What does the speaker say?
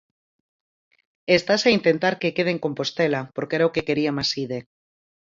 E estase a intentar que quede en Compostela porque era o que quería Maside.